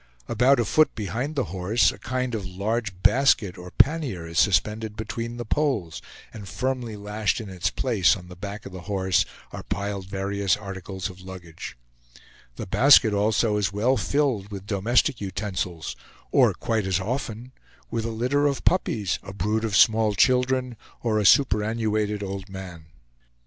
About a foot behind the horse, a kind of large basket or pannier is suspended between the poles, and firmly lashed in its place on the back of the horse are piled various articles of luggage; the basket also is well filled with domestic utensils, or, quite as often, with a litter of puppies, a brood of small children, or a superannuated old man.